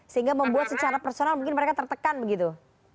sehingga membuat secara personal mungkin mereka tertekan begitu